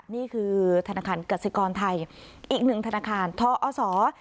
นี่คือธนาคารกสิกรไทยอีกหนึ่งธนาคารทอศ